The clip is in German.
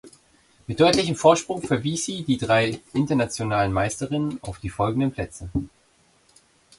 Mit deutlichem Vorsprung verwies sie die drei Internationalen Meisterinnen auf die folgenden Plätze.